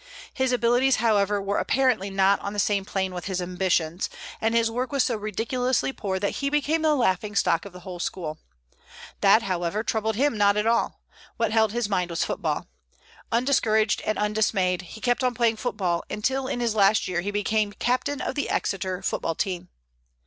His abilities, however, were apparently not on the same plane with his ambitions, and his work was so ridiculously poor that he became the laughing stock of the whole school. That, however, troubled him not at all. What held his mind was football. Undiscouraged and undismayed, he kept on playing football until in his last year he became captain of the Exeter football team.